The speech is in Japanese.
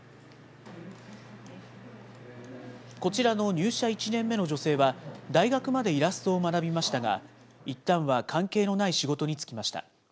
こちらの入社１年目の女性は、大学までイラストを学びましたが、いったんは関係のない仕事に就きました。